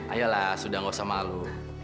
ayolah sudah gak usah malu